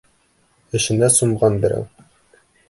Эшенә сумған берәү.